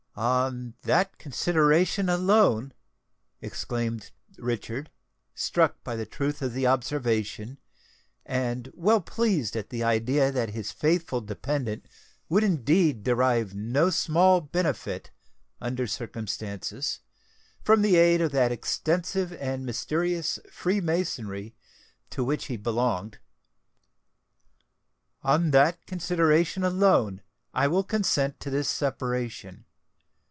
"On that consideration alone," exclaimed Richard, struck by the truth of the observation, and well pleased at the idea that his faithful dependant would indeed derive no small benefit, under circumstances, from the aid of that extensive and mysterious freemasonry to which he belonged,—"on that consideration alone I will consent to this separation.